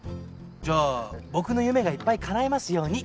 じゃあ僕の夢がいっぱい叶いますように！